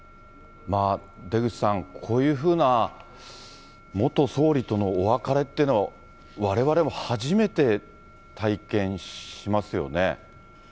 出口さん、こういうふうな元総理とのお別れってのを、われわれも初めて体験しますよね。